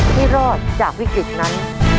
รอดจากวิกฤตนั้น